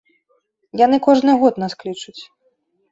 Яны кожны год нас клічуць.